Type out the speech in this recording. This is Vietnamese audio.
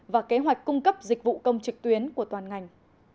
và kế hoạch cung cấp dịch vụ công trực tuyến của toàn ngành